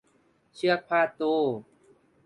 เชือกพาดตู้